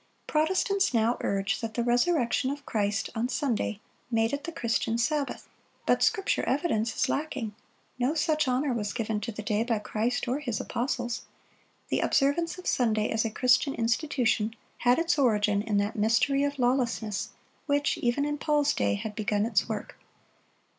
Protestants now urge that the resurrection of Christ on Sunday made it the Christian Sabbath. But Scripture evidence is lacking. No such honor was given to the day by Christ or His apostles. The observance of Sunday as a Christian institution had its origin in that "mystery of lawlessness"(79) which, even in Paul's day, had begun its work.